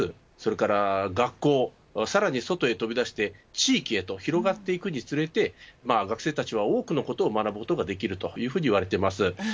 それから学校さらに外へ飛び出して地域へと広がっていくにつれて学生たちは多くのことを学ぶことができるといわれています。